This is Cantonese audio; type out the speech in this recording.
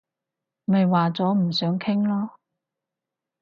咪話咗唔想傾囉